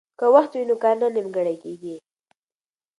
که وخت وي نو کار نه نیمګړی کیږي.